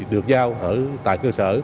được giao tại cơ sở